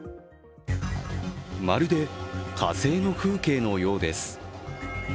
まるで、火星の風景のようです。